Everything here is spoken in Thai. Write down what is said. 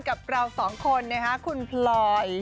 กับเราสองคนนะคะคุณพลอย